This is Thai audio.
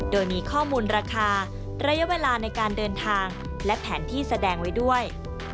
โดยมีข้อมูลราคาระยะเวลาในการเดินทางและแผนที่แสดงไว้ด้วย